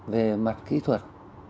về mặt kỹ thuật